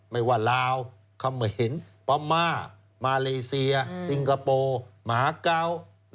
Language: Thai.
ไม่ว่าลาวเขาเหมือนปอมมามาเลเซียซิงกะโปร์มหาเกา